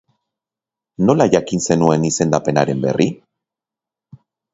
Nola jakin zenuen izendapenaren berri?